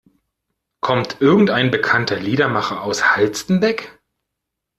Kommt irgendein bekannter Liedermacher aus Halstenbek?